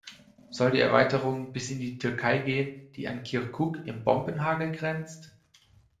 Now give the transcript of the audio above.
Soll die Erweiterung bis in die Türkei gehen, die an Kirkuk im Bombenhagel grenzt?